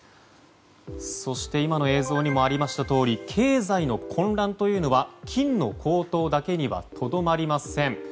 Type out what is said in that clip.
そして今の映像にもありましたとおり経済の混乱というのは金の高騰だけにはとどまりません。